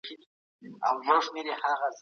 حاکمان باید د تېرو کړنو څخه زده کړه وکړي.